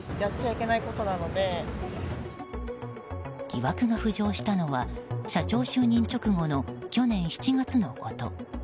疑惑が浮上したのは社長就任直後の去年７月のこと。